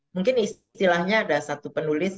mungkin istilahnya ada satu penulis